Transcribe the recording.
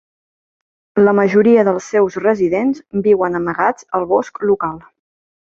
La majoria dels seus residents viuen amagats al bosc local.